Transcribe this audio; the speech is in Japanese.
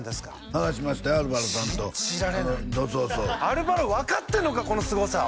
話しましたよアルバロさんと信じられないアルバロ分かってんのかこのすごさを！